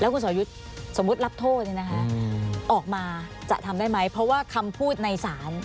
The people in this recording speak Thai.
คุณสอยุทธ์สมมุติรับโทษออกมาจะทำได้ไหมเพราะว่าคำพูดในศาล